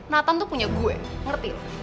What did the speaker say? nathan tuh punya gue ngerti